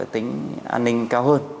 tính an ninh cao hơn